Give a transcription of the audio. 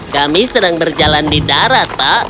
kami sedang berjalan di darat pak